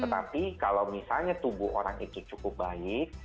tetapi kalau misalnya tubuh orang itu cukup baik